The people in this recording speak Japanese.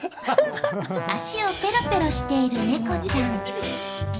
足をペロペロしている猫ちゃん。